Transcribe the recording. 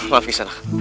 maaf kisah nak